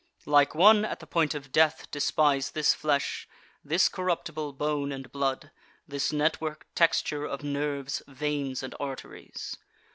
Like one at the point of death despise this flesh, this corruptible bone and blood, this network texture of nerves, veins, and arteries.